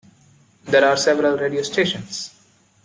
There are several radio stations.